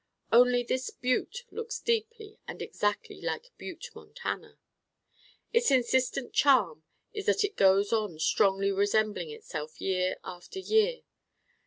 Only this Butte looks deeply and exactly like Butte Montana. Its insistent charm is that it goes on strongly resembling itself year after year.